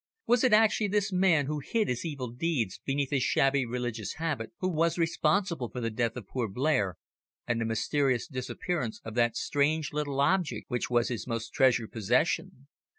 Was it actually this man who hid his evil deeds beneath his shabby religious habit who was responsible for the death of poor Blair and the mysterious disappearance of that strange little object which was his most treasured possession.